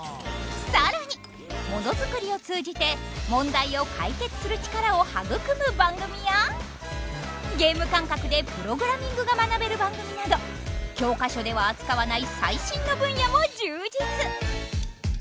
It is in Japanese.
更にものづくりを通じて問題を解決する力を育む番組やゲーム感覚でプログラミングが学べる番組など教科書では扱わない最新の分野も充実！